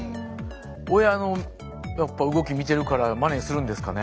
親の動き見てるからまねするんですかね。